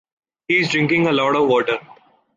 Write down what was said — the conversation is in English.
He is drinking a lot of water.